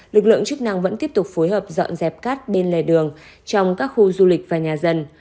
lực lượng chức năng vẫn tiếp tục phối hợp dọn dẹp cát bên lề đường trong các khu du lịch và nhà dân